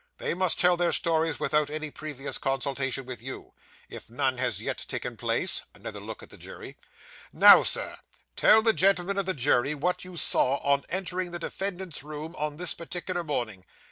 'They must tell their stories without any previous consultation with you, if none has yet taken place (another look at the jury). Now, Sir, tell the gentlemen of the jury what you saw on entering the defendant's room, on this particular morning.